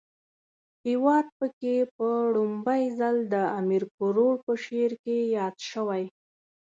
هیواد پکی په ړومبی ځل د امیر کروړ په شعر کې ياد شوی